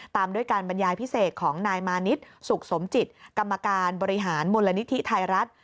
ตามด้วยการบรรยายพิเศษของนายมานิดสุขสมจิตกรรมการบริหารมูลนิธิไทยรัฐ